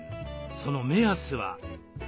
その目安は。